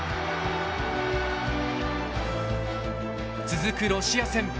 続くロシア戦。